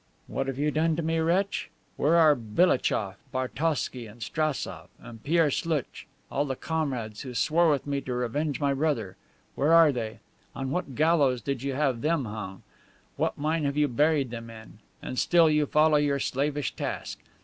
"What have you done to me, wretch? Where are Belachof, Bartowsky and Strassof? And Pierre Slutch? All the comrades who swore with me to revenge my brother? Where are they? On what gallows did you have them hung? What mine have you buried them in? And still you follow your slavish task.